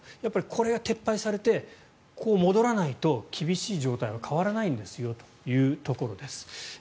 これが撤廃されて戻らないと厳しい状態は変わらないんですよというところです。